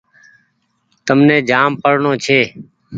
تمني جآم پڙڻو ڇي۔